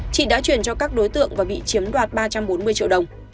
chị đã chuyển cho các đối tượng và bị chiếm đoạt ba trăm bốn mươi triệu đồng